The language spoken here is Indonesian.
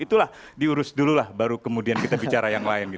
itulah diurus dulu lah baru kemudian kita bicara yang lain gitu